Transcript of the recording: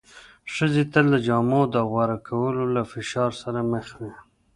ښځې تل د جامو د غوره کولو له فشار سره مخ وې.